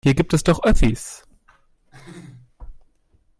Hier gibt es doch Öffis.